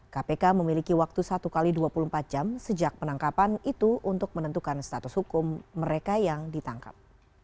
kpk memiliki waktu satu x dua puluh empat jam sejak penangkapan itu untuk menentukan status hukum mereka yang ditangkap